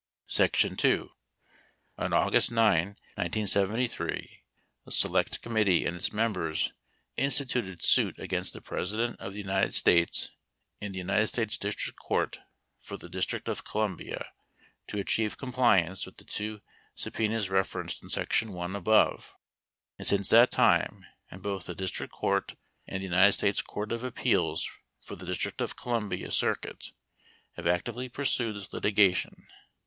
7 Sec. 2. On August 9, 1973, the select committee and its 8 members instituted suit against the President of the United 9 States in the United States District Court for the District of 10 Columbia to achieve compliance with the two subpenas ref 11 erenced in section 1 above, and since that time, in both the 12 district court and the United States Court of Appeals for the 13 District of Columbia Circuit, have actively pursued this litiga 14 tion.